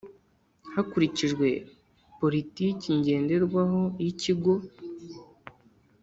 Hakurikijwe politiki ngenderwaho y ikigo